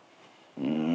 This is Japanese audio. うん。